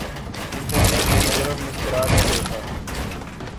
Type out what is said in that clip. انہوں نے میرے طرف مسکرا کر دیکھا